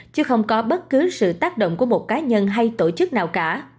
chứ không có bất cứ sự tác động của một cá nhân hay tổ chức nào cả